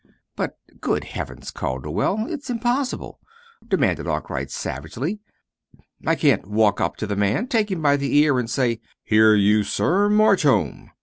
"But, good heavens, Calderwell, it's impossible! What can I do?" demanded Arkwright, savagely. "I can't walk up to the man, take him by the ear, and say: 'Here, you, sir march home!'